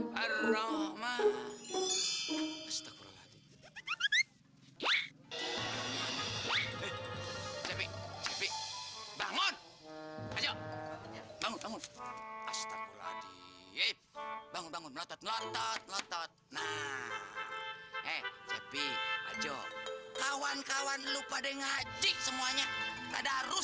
bangun bangun ngotot ngotot nah eh cepi jok kawan kawan lupa dengar cik semuanya ada harus